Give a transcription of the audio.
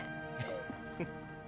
フッ。